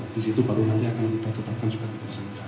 di situ baru nanti akan kita tetapkan sebagai tersangka